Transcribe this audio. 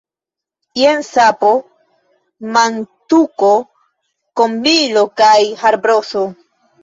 Jen sapo, mantuko, kombilo kaj harbroso.